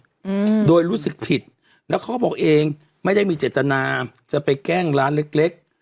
อืมโดยรู้สึกผิดแล้วเขาก็บอกเองไม่ได้มีเจตนาจะไปแกล้งร้านเล็กเล็ก